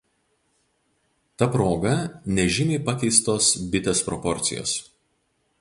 Ta proga nežymiai pakeistos bitės proporcijos.